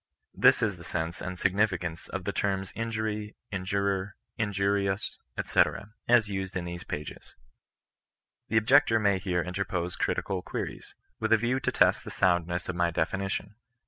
This is the sense and signification of the terms injury, injurer, injurious, &c., as used in these pages. The ob jector may here interpose critical queries, with a view to test the soundness of my definition.